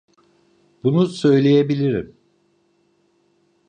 Bunu söyleyebilirim.